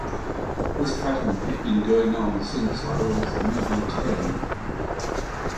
This pattern has been going on since I was maybe ten.